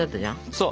そう。